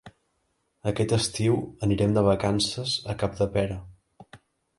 Aquest estiu anirem de vacances a Capdepera.